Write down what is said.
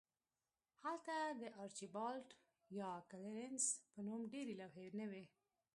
هلته د آرچیبالډ یا کلیرنس په نوم ډیرې لوحې نه وې